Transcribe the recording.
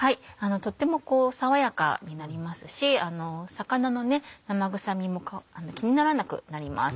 とっても爽やかになりますし魚の生臭みも気にならなくなります。